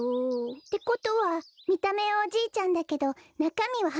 てことはみためはおじいちゃんだけどなかみははなかっ